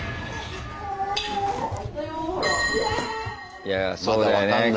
いやそうだよね。